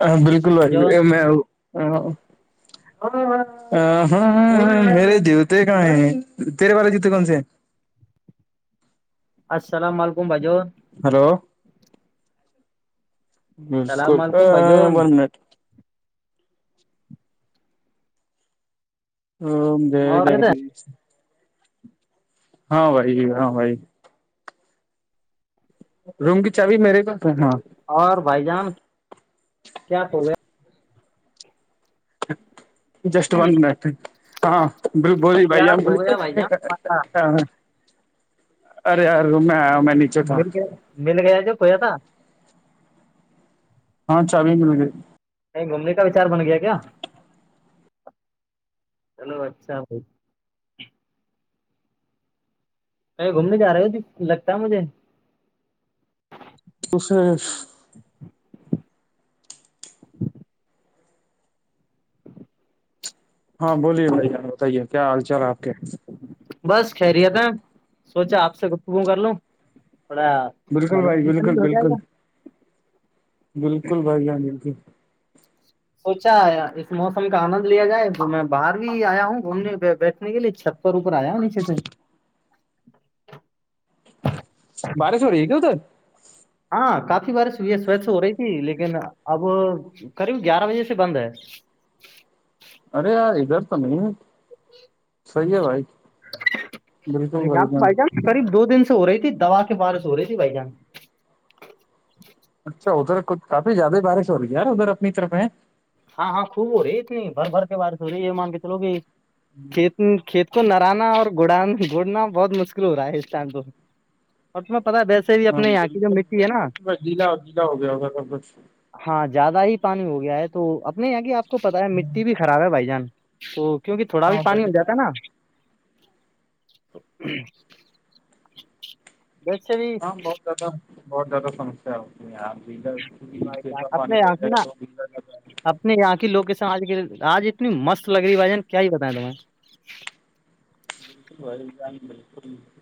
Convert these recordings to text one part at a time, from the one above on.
ہاں بالکل آ جون میں ہاں ہ میرے جوتے کہاں ہیں تیرے والے جیتے کون سے السلام علیکم بھائیؤ ہلو السلام بالکل علیکم بھائی جون اور جگتی ہاں بھائی ہاں بھائی روم کی چای میرے پاس ہے ہاں اور بھائی جان کیا توول جسٹ ون منٹ ہاں بولی کیا بائی ہو بلی گیا بھائی جان ارے ار ر میں میں نےک مل گیا مل گیا جب پویا تھا ہاں چابی مل گئی [unintelligible] کہیں گھومنے کا وچار بن گیا کیا چلو اچھا بھائی میں گھومنے جا رہے ہو ت لگتا ہے مجھے کش ہاں بولیے بھائیار بتائیے کیا حال چال ہے آپ کے بس خیریت ہے سوچا آپ سے گفتگوم کر لوں بڑا بالکل بھائی بالکل بالکل بالکل بھائی ہاں بالکل سوچا ہے اس موسم کا آنند لیا جائے تو میں باہر بھی آیا ہوں گھومنے بیٹھنے کے لیے چھت ور آیا نیچے سے بارشو رہی گ ہو تر ہاں کافی بارش یہ سوچھ ہو رہی تھی لیکن اب قریب گیارہ بجے سے بند ہے ارے، رتانی صحیح ہے بھائی بالکل بھائی ج قریب دو دن سے ہو رہی تھی دوا کے بار سے ہو رہی تھی بھائی جان اچھا ادھر کچھ کافی زیادہ بارش ہو رہی ہےیار ادھر اپنی طرف ہے ہاں ہاں خوب ہو رہی ہے اتنی بھر بھر کے بار سے ہو رہی ہے یہ مان کے چلو گے کھیت کو نرانا اور گڑ گڑنا بہت مشکل ہو رہا ہے اس ٹائم تو اور تمیں پتاس [unintelligible] ہاں بالکل میں بالکل میں گلا گیلا ہو گیا ہوگ کاب ہاں زیادہ ہی پانی ہو گیا ہے تو اپنے یہاں کی آپ کو پتا ہے مٹی بھی خراب ہے بھائی جان تو کیونکہ تھوڑا بھی ہاں پانی بھائی ہول جاتا ہے نا تو [inaudible] بچ بھی زد بہت زیادہ سمسیا ہے اس آپ گر نچے پانی بڑ جائے گا تو ہے اپنے یہاں کی لوکیشن آج کے آج اتنی مست لگ رہی بھائیجن کیا ہی بتائیں تمہیں جائ بالک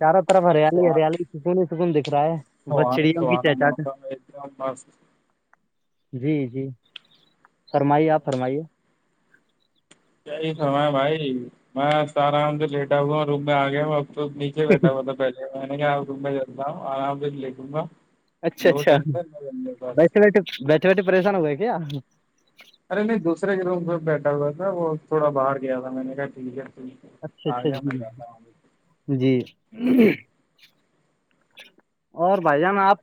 چاروں طرف ہریالی ہریالی سکنی ہی سکون دکھ رہا ہے بچڑیوں کی چہچاچ ج بس [unintelligible] جی جی فرمائیے آپ فرمائیے یہی سما بھائی میں آرام سے لیٹا ہ روم میں آ گیا اب تو ھ بیٹا ہوتا پہلے میں نے کہا چلتا ہوں آ پھر لےوں گا اچھا نو اچھا ٹینشن م انے پاس بیٹھے بیٹھے بیٹھے پریشان ہو گئے کیا ارے نہیں دوسرے کے رووم پ بیٹھا ہوا تھا وہ تھوڑا باہر گیا تھا میں نے کہا ٹھیک ہے ہے اچھا آ اچھا گیا جی میں جاتا ہوں ج جی اور بھائی جان آپ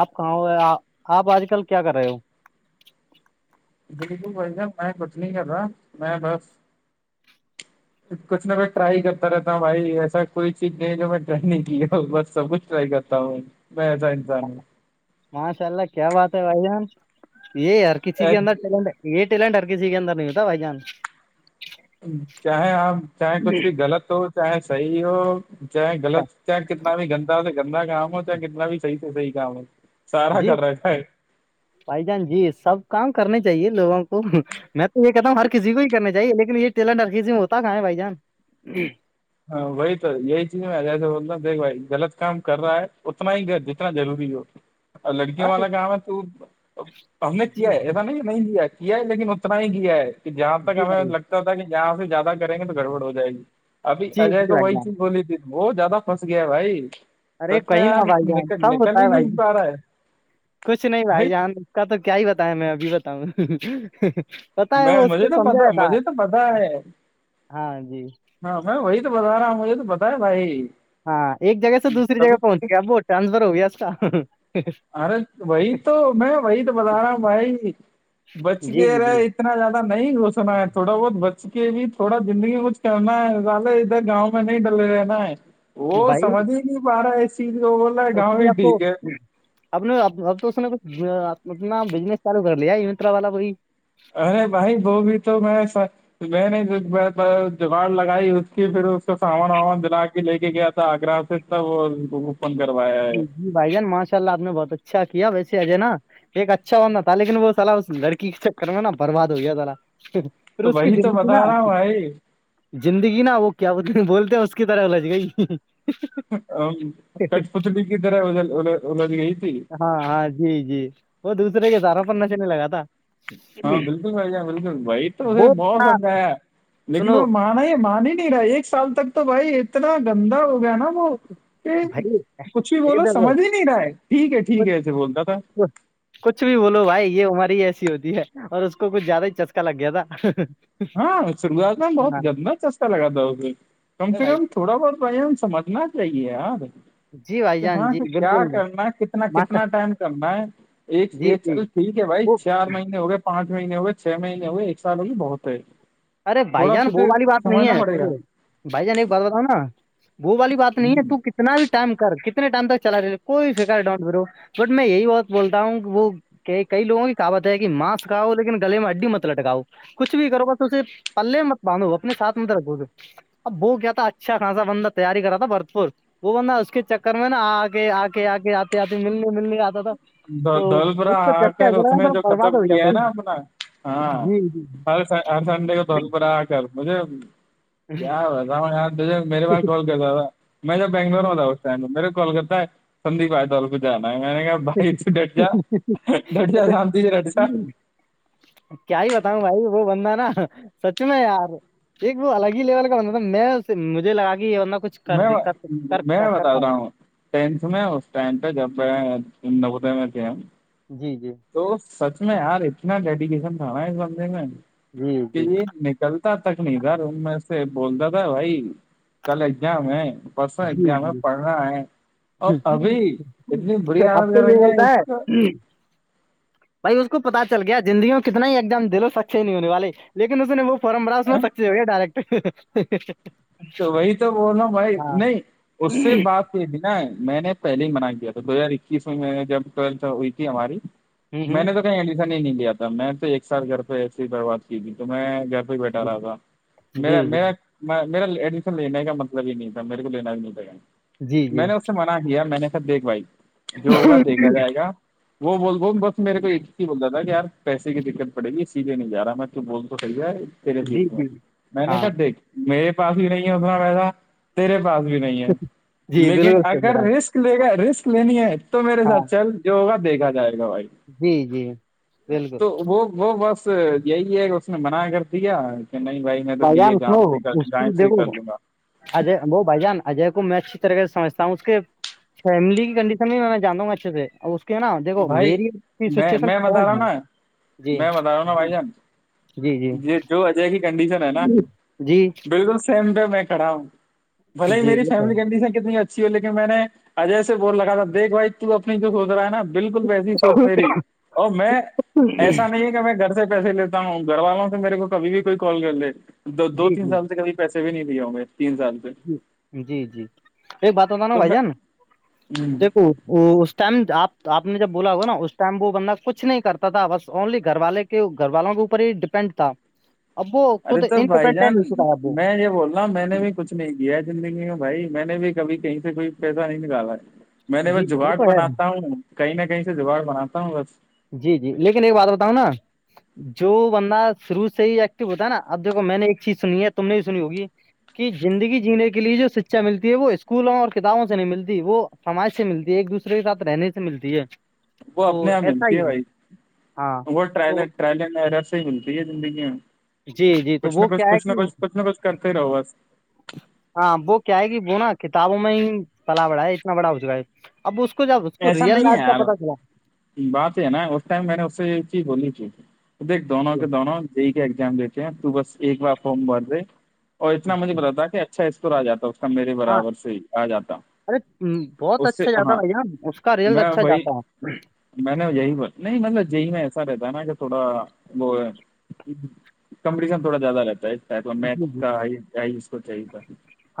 آپ کہاں ہو آ آپ آج کل کیا کر رہے ہو بالکل بھائی صاب میں کٹ نہیں کر رہا میں بس کچھ نہ کچھ ٹرائی کرتا رہتا بھائی ایسا کوئی چیز نہیں ہے جو میں ٹ نہیں کی بس سب کچھ ٹرائی کرتا تا ہ میں ایسا انسان ہے ماشاء اللہ کیا بات ہے بھائی جان یہی ہر کسی کے اندر ہوں چل گے یہ ٹیلنٹ ہر کسی کے اندر نہیں ہوتا بھائی جان چاہے آپ چاہے کچھ بھی غلط ہو چاہے صحیح ہو چاہے غلط چاہے کتنا بھی گندا سے گندا کام ہو چاہے کتنا بھی صح سے صحیح کام ہو سارا جی کر رکھا ہے بھائی جان جی سب کام کرنے چاہیے لوگوں کو میں تو یہ کہتا ہوں ہر کسی کو ہی کرنا چاہیے لیکن یہ ٹیلنٹ ہر کسی میں ہوتا کہاں ہے بھائی جان ہاں وہی تو یہی چیز میں جیسے بولتا ہوں دیکھ بھائی غلط کام کر رہا ہے اتنا ہی ط جتنا ضروری ہو لڑکیوں ارے والا گؤ ہے تو ہم نے جی کیا ہے جی ایسا نہیں نہیں کیا کیا ہے لیکن اتنا ہی کیا ہے کہ جہاں تک جی ہمیں بھائی لگتا تھا کہ یہہاں سے زیادہ کریں گے تو گڑبڑ ہو جائے گی ابھی جی اجے جی تو بھائی وہی جان چیز بلی تھی وہ زیادہ پھنس گیا بھائی ارے سچ میں کہیں یار نہا بھائی جان نکل سب نکل ہوتا ہی ہے بھائی نہیں ج پا رہا ہے کچھ نہیں بھائی جان کا تو کیا ہی بتایا میں ابھی بتاؤں پتا ہے میں وہ اس کو مجھے تو پتا سمجھایا تھا مجھے تو پتا ہے ہاں جی ہاں میں وہی تو بتا رہا ہوں مجھے تو پتا ہے بھائی ہاں ایک جگہ سے دوسری تب جگہ پہنچ گیا اب وہ ٹرانسفر ہو گیا اس کا ارے وہی تو میں وہی تو بتا رہا ہوں بھائی بچ جی کے جی رہے جی اتنا زیادہ نہیں گھسنا ہے تھوڑا بہت بچ کے بھی تھوڑا زندگی کچھ کرنا ہےے ادھر گاؤں میں میں نہیں ڈلے رہا نا وہ بھائی سہد ہی نہیں پا رہا ہے ای چیز بول رہا ہے اس گاؤں نے ہی آپ کو ٹھیک ہے اب نے ا اب تو اس نے کچھ اپنا بزنس چالو کر لیا اترا والا بئی ارے بھائی ب بھی تو میں میں نے جگاڑ لگائی اس پھر اس کو سامان وامان دلا کے لے کے گیا تھا آگرہ سے سب اوپن کروایا جی ہے بھائی جان ماشاء اللہ آپ نے بہت اچھا کیا ویسے ہےجے نا ایک اچھا بندہ تھا لیکن وہ سلا اس لڑکی کے چر میں نا برباد ہو گیا سلا پھر تو اس کی وہی تو زندگی نا بتا رہا ہوں بھائی زندگی نا وہ کیا بتل بولتے ہیں اس کی طرح ال لج گئی ہ کٹ پتلیکراد اتی [unintelligible] [inaudible] ہاں ہاں جی جی وہ دوسرے کے سارا پر نشے نہیں لگا تھا ہاں بالکل بھائی ج بالکل بھائی تو اھرے وہ تھا۔ بہتمد ہے [unintelligible] [inaudible] لیکن سنو وہ مانا ہی مان ہی نہیں رہا ایک سال تک تو بھائی اتنا گندا ہو گیا نا وہ کہ بھائی کچھ بھی یہ بولو دیکھو سمجھ بھی نہیں رہا ہے ٹھیک ہے ٹھیک کچھ ہے ایسے بولتا تھا کچھ بھی بولو بھائی یہ عمر ہی ایسی ہوتی ہے اور اس کو کچھ زیادہ ہی چسکا لگ گیا تھا ہاں سرگ بہت ہاں گندہ چستا لگا د کم ارے سے بھائی کم تھوڑا بہت بھائی ہم سمجھنا چاہیے یار جی بھائی کہ جان ہاں جی کہ کیا بالکل کرنا ہے کتنا ماشا کتنا ٹائم کرنا ہے ایک جی ایک جی چ ٹھیک ہے بھائی وہ چار مہینے ہو گئے پانچ مہینے ہو گئے چھ مہینے ہو گئے ایک سال ہوگئے بہت ہے ارے بھائی تھوڑا جان بو تجھے والی بات نہیں سمجھنا پڑے ہے گا بھائی جان ایک بات بتاؤ نا وہو والی بات نہیں ہے ہ تو ک کتنا بھی ٹائم کر کتنے ٹائم تک چلا رہے کوئی فکر ڈٹو بٹ میں یہی بات بولتا ہوں کہ وہ کہ کئی لووں کی کہاوت ہے کہ ماںسکھاؤ لیکن گلے میں اڈی مت لٹکاؤ کچھ بھی کرو گ پلے متباندو اپنے ساتھ مت رگو گے اب ب کیا تھا اچھا خھاصا بندہ تیاری کرا تھا بھرپور وہ بندہ اس کے چکر میں نا آ کے آ کے آ کے آتے آتے ملنے ملنے آتا تھا تو دول برا اس کو آ چکر کر ایسا اس لگا نے تھا جو ختم برباد ہو گیا کیا ہے وہ۔ نا اپنا ہاں جی ہر سنڈے کو توول پر آ کر مجھے کیا وسا جے میرے بار جی کال کرتا تھا میں تو بنگلور میں ہوتا ہ میرے کال کرتا ہے سندیپ آئیتال پہ جانا ہے میں نے کیا آت دڈجا دڈجا ارے، شتی رڈجا [unintelligible] کیا ہی بتاؤں بھائی وہ بندہ نا سچ میں یار ایک وہ الگ ہی لیول کا بند تھا میں مجھے لگای یہندہ کچھ کر میں دے کر کر میں کر کر بتا پائے رہا گا ہوں ٹینتھ میں اس ٹائم پہ جب میں نودے میں کیا جی جی تو سچ میں یار اتنا ڈیڈیکیشن تھا نا اس سمے میں جی کہ یہ چلتا تک نہیں ادھر ان میں سے بولتا تھا بھائی کل ایگزام ہے بس جی ایگزام ہے جی پڑھنا ہے اور جی ابھی اتنی بری اب عادت تو کریں یہ گے بولتا اس ہے کا [unintelligible] بھائی اس کو پتا چل گیا زندگیوں میں کتنا ہی ایگزام د لو س اچھے نہیں ہونے والے لیکن اس نے وہ فورم برا اس میں ایں؟ سکچے ہو گیا ڈائریکٹ تو وہی تو بول رہا ہ بھائی ہاں نہیں اس سے بات نا میں نے پہلے ہی منع کیا تھا دو ہزار اکیس میں جب ٹولت ہوئی تھی ہماری میں ہوں نے تو کہیں ایڈمیشن ہی نہیں لیا تھا میں تو ایک سال گھر پہ ایسی ہی برباد کی تھی تو میں گھر بیٹا رہا تھا جی میرا جی میرا [unintelligible] میرا ایڈمیشن لینے کا مطلب ہی نہیں تھا میرے کو لینا بھی نہیں تھاا جی میں جی نے اس سے م کیا میں نے سب دیکھ بھائی جو ہوگا دیکھا جائے گا وہ بول بس میرے کو بولتا تھا کہ یار پیسے کی دقت پڑے گی اسییدے نہیں جا رہا میں تو بول تو صحیح ہے تیرے جی ج جی میں نے ہاں سب دیکھ میرے پاس بھی نہیں ہے اتنا پیسہ تیرے پاس بھی نہیں ہے جی لیکن بالکل صحیح اگر رائٹ رسک لے گا رسک لینی ہے تو میرے ہاں ساتھ چل جو ہوگا دیکھا جائے گا بھائی جی جی بالکل تو وہ وہ بس [unintelligible] ب یہی ہے کہ اس نے منع کر دیا کہ نہیں بھائی میں تو دیے جان سنو جام سے اس ج کی دیکھو اجے وہ بھائی جان اجے کو میں اچھی طرح سے سمجتا ہوں اس کے فیملی کی کنڈیشن میں جاناوں گا اچے سے ا اس کو کیا دیکھو بھائی میری میں میں سچویشنم بتا رہا ہوں ہے نا جی میں بتا رہا ہوں نا بھائی جان جی جی یہ جو کنڈیشن ہے نا جی بالکل سیم تو میں کھڑا ہوں بھائی جی می وہ تو فیملی کہن س کتنی لیکن میں نے اجے سے بول لگا تھا دیکھ بھائی ت اپنی د ہوود رہا ہے نا بالکل ویسی سوچ میری اور میں ہے ایسا نہیں ہے کہ میں گھر سے پیسے لیتا ہوں گھر والوں سے میرے کو کبھی بھی کوئی کال کر لے دو جی تین جی سال سے کبھی پیسے بھی نہیں لے ہم تین سال سے جی جی ایک باتوںتا نا ہو تو بھائی جان میں دیکھو وہ ٹائم آپ آپ نے جب بولا ہوا نا اس ٹائم وہ بندہ کچھ نہیں کرتا تھا بس اونلی گھر والے گھر والوں کے اوپر ہی ڈیپینڈ تھا اب وہ ارے خود تو بھائی انڈیپینڈنٹ جان نہیں چکا اب وہ میں یہ بول میں نے بھی کچھ نہیں کیا ہے زندگی میں بھائی میں نے بھی کبھی کہیں سے کوئی پیسہ نہیں نکالا میں نے جی بس وہ جگاٹ تو ہے بنا ہوں کہیں نہ کہیں سے جگاٹ بناتا ہوں بس جی جی لیکن ایک بات بتاؤں نا جو بندہ شروع سے ہی ایکٹو ہوتا ہے نا اب دیکو میں نے ایک چیز سنی ہے تم نے بھی سنی ہوگی کی زندگی جینے کے لیے جو شکچھا ملتی ہے وہ اسکولوں اور کتابوں سے نہیں ملتی وہ سماج سے ملتی ہے ایک دوسرے کے ساتھ رہنے سے ملتی ہے وہ تو اپنے یہاں ایسا ہی ملتی ہے بھائی ہاں وہ تو پہلے مرس ہی ملتی ہے زندگی میں جی جی تو کچھ نہ وہ کیا کچھ ہے کچھ کہ نہ کچھ کچھ نہ کچھ کرتے رہو بس ہاں وہ کیا ہے گ وہناا کتابوں میں ہی پلا بڑا ہے اتنا بڑا ہو چکا ہے اب اس کو جب اس کو ایسا ریئل نہیں ہے لائف کا یار پتا چلا بات ہے نا اس ٹائم میں نے اس سے یہ چیز بولنی چاہی تھی دیکھ دونوں جی، کے دونوں یہ کے ایگزام دیتے ہیں تو بس ایک بار فارم بھر دے اور اتنا مجھے جی، بتا کہ اچھا اسکورر جاتا کا میرے ہاں برابر سے ہی آ جاتا ارے بہت اس سے اچھا زیادہ ہاں بھائی کا ریل میں اچھا وہی جاتا ہے میں نے یہی پر نہیں مطلب یہی میں ایسا رہتا ہے نا کہ تھوڑا وہ ہے کمپٹیشن تھوڑا زیادہ رہتا ہے اس میتھ جی جی کا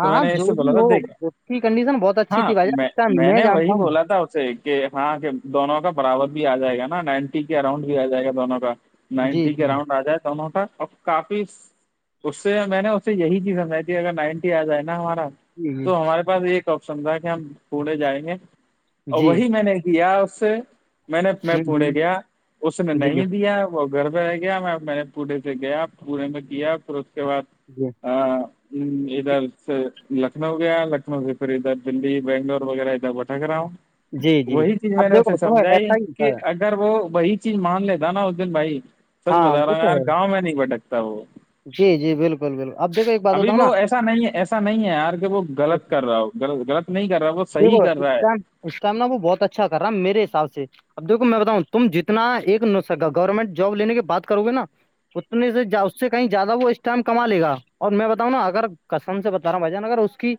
تو میں ہاں نے جو اس سے بولا بھی تھا ہو دیکھیا اس کی کنڈیشن بہت اچھی ہاں تھی بھائی جان میں اچھا میں نے جانتا وہی ہوں بولا تھا اس سے کہ ہاں کہ دونوں کا برابر بھی آ جائے گا نا نائنٹی کے اراؤنڈ بھی آ جائے گا دونوں کا جی نائنٹی کے راؤنڈ آ جائے توونوں کاا کافی اس سے میں نے اس سے یہی چیز سمجھائی تھی اگر نائنٹی آ جائے نا ہمارا جی تو ہمارے پاس ایک آپشن تھا کہ ہم پڑے جائیں گے اور جی جی وہی میں نے کیا اس سے میں نے میں جی ہوں، پڑے ہوں، گیا اس نے جی نہیں دیا [unintelligible] وہ گھر میں رہ گیا میں میں نے پورے سے گیا پورے میں کیا پھر اس کے بعد [unintelligible] جی [unintelligible] ادھر سے لکھنؤ گیا لکھنؤ سے پھر ادھر دی بنگلور وغیرہ ادھر بٹھا کرا ہؤں جی جی وہی چیز اب میں نے اسے دیکھو سنو ایسا سمجھائی ہی ہوتا کہ ہے ا اگر وہی چیز مان لیتا نا اس دن بھائی سچ ہاں بتا وہ رہا ہ یار تو ہے گاؤں میں نہیں بھٹکتا وہ جی جی بالکل بالکل اب دیکھو ایک بات [unintelligible] ابھی ہوتا ہوں نا وہ ایسا نہیں ایسا نہیں ہے یار کہ وہ غلط کر رہا ہول غلط نہیں کر رہا وہ دیکھو صحیح کر اس رہا ہے [unintelligible] ٹائم اس کام ن وہ بہت اچھا کر رہا ہے میرے حساب سے اب دیکھو میں بتاؤں تم جتنا ایک گورنمنٹ جاب لینے کی بات کرو گے نا اتنے سے اس سے کہیں زیادہ وہ اس ٹائم کما لےا اور میں بتاؤں نا اگر کسم سے بتا رہا ہوں بھائی جان اگر اس کی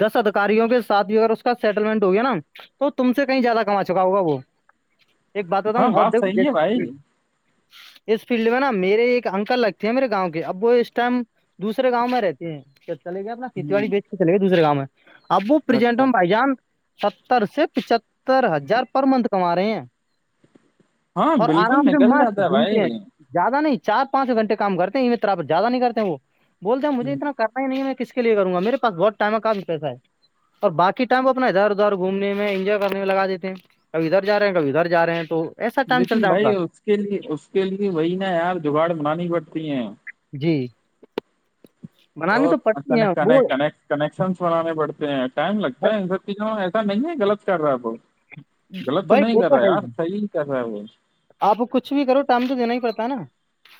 دس ادھاروں کے ساتھ بھی اگر کا سیٹللمنٹ ہوگیا نا تو تم سے کہیں زیادہ کما چکا ہوگا وہ ایک بات ہاں بتاؤں اور بات صحیح ہے بھائی دیکھوں اس فیلڈ میں نا میرے ایک انکل لگتے ہیں میرے گاؤں کے اب وہ اس ٹائم دوسرے گاؤں میں رہتے ہیں چلے گئے اپنا کھیتی ہ باڑی بیچ کے چلے گئے دوسرےاؤ میں اب وہ پرزنٹ اچھا ان ستر سے پچتر ہزار پر منتھ کما رہے ہیں [unintelligible] ہاں اور بالکل آرام سے نکل مست جاتا ہے گھومتے ہیں بھائی زیادہ نہیں چار پانچ گھنٹ کا کرتے ہیںر زیادہ نہیںتے وہ بولتے ہیں مجھے اتنا کر نہیں میں کس کے لیے کروں گا میرے پاس بہت ٹائمہ کامی پیسہ ہے اور بات [unintelligible] ٹائم پ اپنا ادھر ادھر گھومنے میں انجوائے کرنے لگا دیتے ہیں کھی ادھر جا رہے ہیں کب ادھر ج رہے ہیں تو ایسا ٹائم لیکن چلتا ہے ان بھائی کا اس کے لیے اس کے لیے وہی نا یار جگاڑ منانی پڑتی ہیں جی تو بنانی ک پڑتی ہیں کنے وہ کنے کنیکشنس بنانے پڑتے ہیں ٹائم لگتا ہے سب چیزوں ایسا نہیں ہے غط کر رہا ہے وہ [unintelligible] غلط تو بھائی نہیں وہ کر رہا ہے یار ہی صحیح کر رہا ہے وہ آپ کچھ بھی کرو ٹائم تو دینا ہی پڑتا ہے نا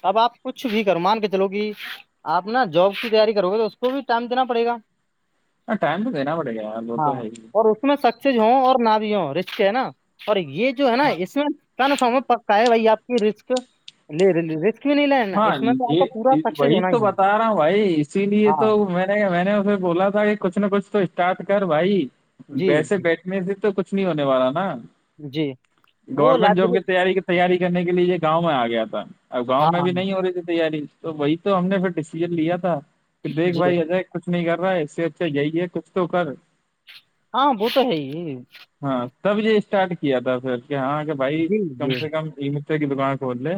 اب آپ کچھ بھی کرو مان کے چلو گی آپ نا جاب کی تیاری کرو گے تو اس کو بھی ٹائم دینا پڑے گا ہ ٹائم تو دینا پڑے گیا لو ہاں تو ہے گی اور اس میں سکز ہوں اور نہ بھی ہ رسک ہے نا اور یہ جو ہے نا ہاں اس میں س نا سام میں پکا ہے وہ آپ کی رسک لے ل ر [unintelligible] ہاں یہ وہی ہونا تو ہی ہے بتا رہا ہوں بھائی اسی لیے ہاں تو میں میں نے اسے بولا تھا کہ کچھ نہ کچھ تو اسٹارٹ کر بھائی جی ویسے جی بیٹھے [unintelligible] میں سے تو کچھ نہیں ہونے والا نا جی وہ گورنمنٹ جاب کی لائبریری تیاری کے [unintelligible] تیاری کرنے کے لیے یہ گاؤں میں آ گیا تھا اب گاؤں ہاں میں ہاں بھی [unintelligible] ہو رہی تھی تیاری تو وہی تو ہم نے پھر ڈیسیزن لیا تھا پھر دیکھ جی بھائی اجے [unintelligible] کچھ نہیں کر رہا ہے اس سے اچھا یہی ہے کچھ تو کر ہاں بہ تو ہے گ ہاں تب یہ اسٹارٹ کیا تھا پھر کہ ہاں کہ بھائی جی کم جی سے کم یہ مت کی دکان کو ہوودے